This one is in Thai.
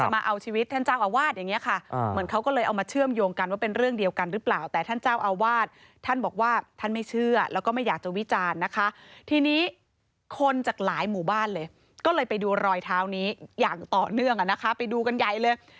มีอย่างต่อเนื่องไปดูกันใหญ่เลย